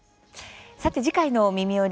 次回の「みみより！